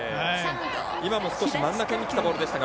今も少し真ん中にきたボールでしたが。